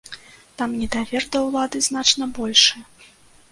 Там недавер да ўлады значна большы.